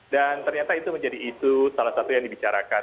dan ternyata itu menjadi itu salah satu yang dibicarakan